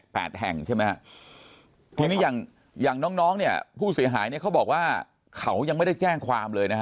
แห่งใช่ไหมฮะทีนี้อย่างอย่างน้องน้องเนี่ยผู้เสียหายเนี่ยเขาบอกว่าเขายังไม่ได้แจ้งความเลยนะฮะ